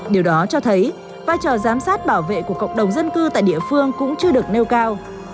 điều đó cho thấy vai trò giám sát bảo vệ của cộng đồng dân cư tại địa phương cũng chưa được nêu cao